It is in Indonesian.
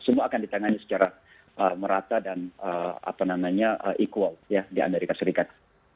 semua akan ditangani secara merata dan equal di amerika serikat